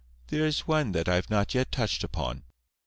There is one that I have not yet touched upon.